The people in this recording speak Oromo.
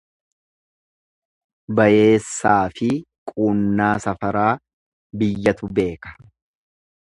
Bayeessaafi qunnaa safaraa biyyatu beeka.